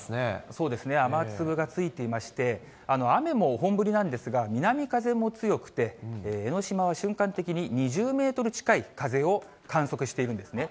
そうですね、雨粒がついていまして、雨も本降りなんですが、南風も強くて、江の島は瞬間的に２０メートル近い風を観測しているんですね。